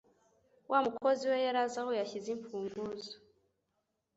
Wa mukozi we yari azi aho yashyize imfunguzo.